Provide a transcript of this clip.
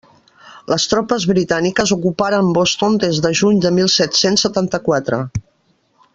Les tropes britàniques ocuparen Boston des de juny de mil set-cents setanta-quatre.